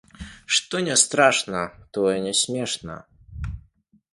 Што не страшна, тое не смешна?